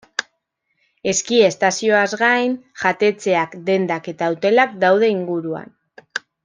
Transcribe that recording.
Eski-estazioaz gain, jatetxeak, dendak eta hotelak daude inguruan.